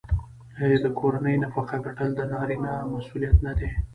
آیا د کورنۍ نفقه ګټل د نارینه مسوولیت نه دی؟